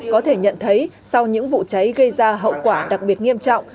có thể nhận thấy sau những vụ cháy gây ra hậu quả đặc biệt nghiêm trọng